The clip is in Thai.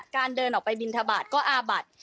เดินออกไปบินทบาทก็อาบัติ